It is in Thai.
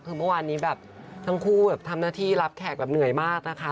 ถึงวันนี้ทั้งคู่ทำหน้าที่รับแขกเหนื่อยมากนะคะ